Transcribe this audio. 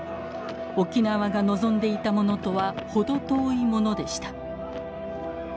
沖縄が望んでいたものとは程遠いものでした。